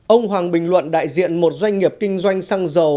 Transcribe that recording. ông hoàng bình luận đại diện một doanh nghiệp kinh doanh xăng dầu